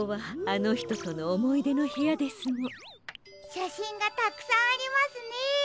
しゃしんがたくさんありますね！